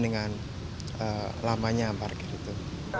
dengan lamanya parkir itu